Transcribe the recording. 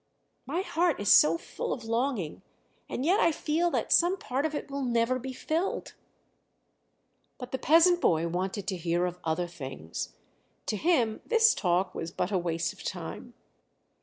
My heart is so full of longing, and yet I feel that some part of it will never be filled!" But the peasant boy wanted to hear of other things; to him this talk was but a waste of time.